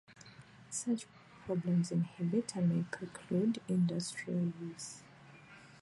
Such problems inhibit and may preclude industrial use.